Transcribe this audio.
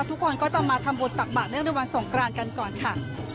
ทุกคนก็จะมาทำบุญตักบาทเนื่องในวันสงกรานกันก่อนค่ะ